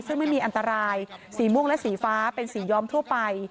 ซึ่งไม่มีอันตรายสีม่วงและสีฟ้าเป็นสีย้อมทั่วไป